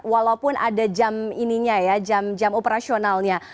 walaupun ada jam ininya ya jam operasionalnya